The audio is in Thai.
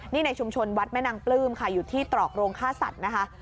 นี่ในชุมชนวัดแม่นางปลื้มค่ะอยู่ที่ตรอกโรงฆ่าสัตว์นะคะ